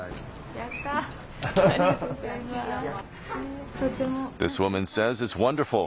やったー。